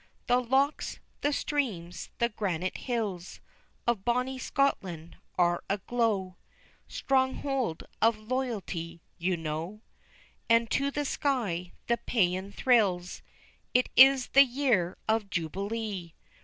The lochs, the streams, the granite hills, Of bonnie Scotland are aglow, (Stronghold of loyalty you know) And to the sky the paean thrills: _It is the YEAR of JUBILEE!